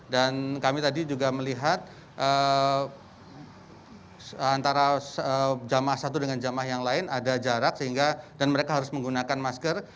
dan kami tadi juga melihat antara jamah satu dengan jamah yang lain ada jarak sehingga dan mereka harus menggunakan masker